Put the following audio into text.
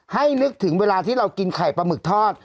นึกถึงเวลาที่เรากินไข่ปลาหมึกทอด